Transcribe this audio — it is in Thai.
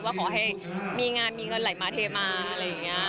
ว่าขอให้มีงานมีเงินไหลมาเทมาอะไรอย่างนี้